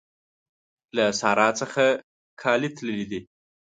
له سارا څخه کالي تللي دي.